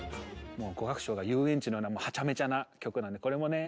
もう５楽章が遊園地のようなはちゃめちゃな曲なんでこれもね